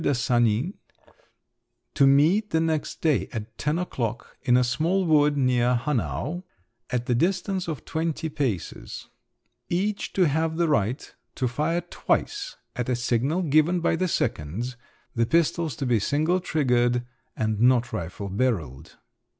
de Sanin to meet the next day at ten o'clock in a small wood near Hanau, at the distance of twenty paces; each to have the right to fire twice at a signal given by the seconds, the pistols to be single triggered and not rifle barrelled."